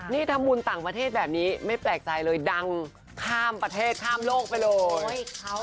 นี่ทำบุญต่างประเทศแบบนี้ไม่แปลกใจเลยดังข้ามประเทศข้ามโลกไปเลย